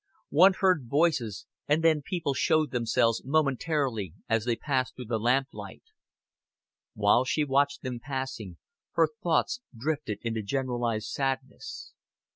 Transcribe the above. One heard voices, and then people showed themselves momentarily as they passed through the lamplight. While she watched them passing, her thoughts drifted into generalized sadness.